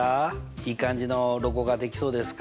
いい感じのロゴが出来そうですか？